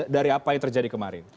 dari apa yang terjadi kemarin